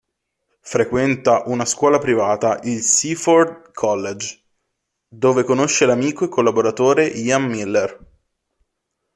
Frequenta una scuola privata, il Seaford College, dove conosce l'amico e collaboratore Ian Miller.